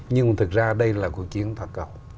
nhưng thực ra đây là cuộc chiến thật